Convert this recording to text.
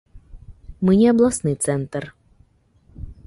Мы не абласны цэнтр.